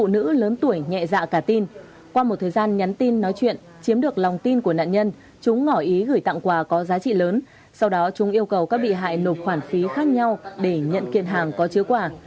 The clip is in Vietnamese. nữ lớn tuổi nhẹ dạ cả tin qua một thời gian nhắn tin nói chuyện chiếm được lòng tin của nạn nhân chúng ngỏ ý gửi tặng quà có giá trị lớn sau đó chúng yêu cầu các bị hại nộp khoản phí khác nhau để nhận kiện hàng có chứa quả